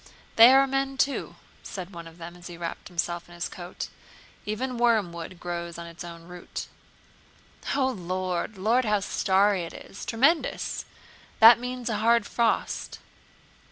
"They are men too," said one of them as he wrapped himself up in his coat. "Even wormwood grows on its own root." "O Lord, O Lord! How starry it is! Tremendous! That means a hard frost...."